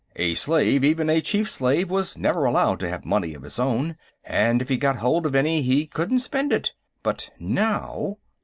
"A slave, even a chief slave, was never allowed to have money of his own, and if he got hold of any, he couldn't spend it. But now...."